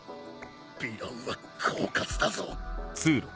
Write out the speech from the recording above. ヴィランは狡猾だぞ